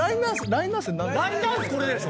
ラインダンスこれでしょ。